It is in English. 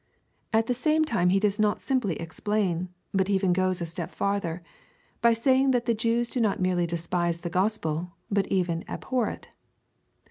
At the same time he does not simply explain, but even goes a step farther, by saying that the Jews do not merely despise the gospel, but even abhor it.